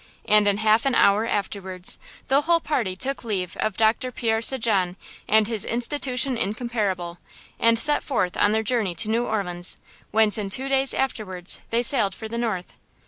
And in half an hour afterwards the whole party took leave of Doctor Pierre St. Jean and his "institution incomparable," and set forth on their journey to New Orleans, whence in two days afterwards they sailed for the North.